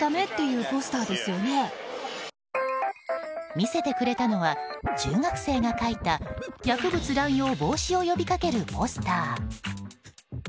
見せてくれたのは中学生が描いた薬物乱用防止を呼びかけるポスター。